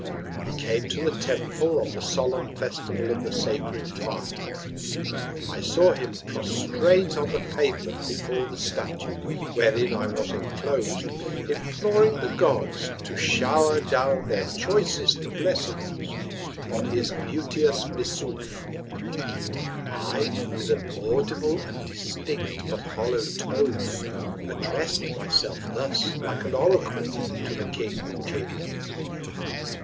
He came to the Temple on the solemn Festival of the sacred Fire. I saw him prostrate on the Pavement before the Statue, wherein I was enclos'd, imploring the Gods to show'r down their choicest Blessings on his beauteous Missouf. I, with an audible and distinct, but hollow Tone, address'd my self thus, like an Oracle, to the King of Kings.